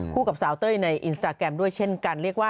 กับสาวเต้ยในอินสตาแกรมด้วยเช่นกัน